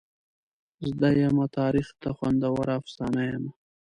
زده یمه تاریخ ته خوندوره افسانه یمه.